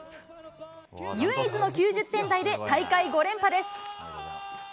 唯一の９０点台で、大会５連覇です。